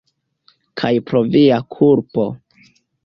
Kaj pro via kulpo.